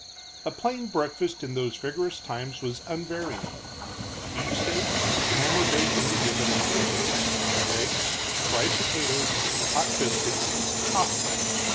A plain breakfast in those vigorous times was unvarying beefsteak, ham or bacon to give it a savor, eggs, fried potatoes, hot biscuits, coffee.